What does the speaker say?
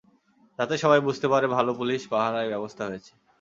যাতে সবাই বুঝতে পারে, ভালো পুলিশ পাহারার ব্যবস্থা হয়েছে।